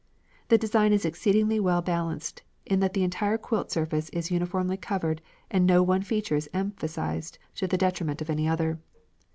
The design is exceedingly well balanced in that the entire quilt surface is uniformly covered and no one feature is emphasized to the detriment of any other.